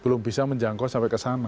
belum bisa menjangkau sampai ke sana